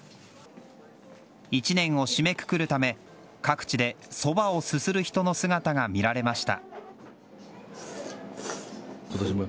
１年を締めくくるため各地で、そばをすする人の姿が見られました。